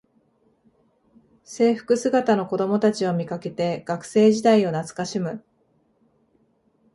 制服姿の子どもたちを見かけて学生時代を懐かしむ